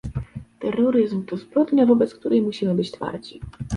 Terroryzm to zbrodnia, wobec której musimy być twardzi